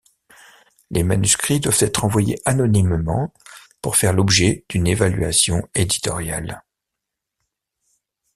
Les manuscrits doivent être envoyés anonymement pour faire l'objet d'une évaluation éditoriale.